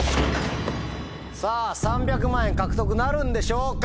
さぁ３００万円獲得なるんでしょうか。